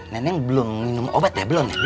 neneng belum minum obat ya belum